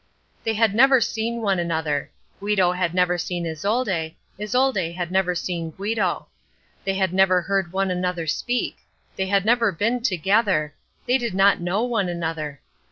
They had never seen one another. Guido had never seen Isolde, Isolde had never seen Guido. They had never heard one another speak. They had never been together. They did not know one another.